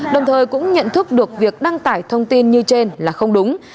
đồng thời cũng nhận thức được việc đăng tải thông tin như trên là không đúng